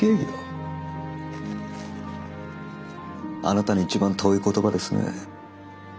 あなたに一番遠い言葉ですね。